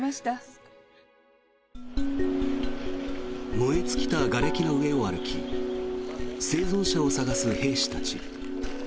燃え尽きたがれきの上を歩き生存者を捜す兵士たち。